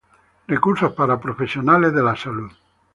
Recursos para profesionales de la salud